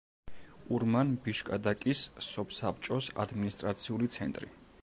ურმან-ბიშკადაკის სოფსაბჭოს ადმინისტრაციული ცენტრი.